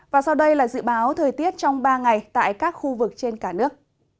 và sau đây là dự báo thời tiết trong ba ngày tại các khu vực trên cả nước